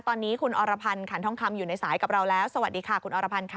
ตอนนี้คุณอรพันธ์ขันทองคำอยู่ในสายกับเราแล้วสวัสดีค่ะคุณอรพันธ์ค่ะ